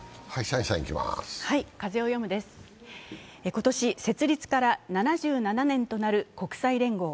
今年、設立から７７年となる国際連合。